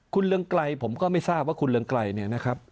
คุณเรืองไกรผมก็ไม่ทราบว่าคุณเรืองไกรเนี่ยนะครับ